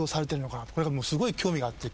これがすごい興味があって。